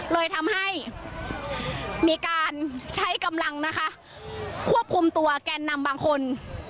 เลยทำให้มีการใช้กำลังนะคะควบคุมตัวแกนนำบางคน